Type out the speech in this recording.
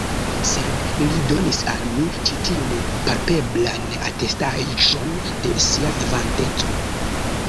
Sed li donis al mi ĉi tiun palpeblan atestaĵon de sia vivanteco.